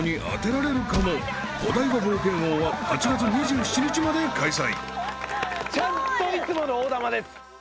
［お台場冒険王は８月２７日まで開催］